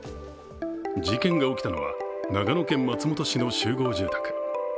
事件が起きたのは長野県松本市の集合住宅。